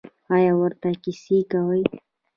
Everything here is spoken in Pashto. ایا ورته کیسې کوئ؟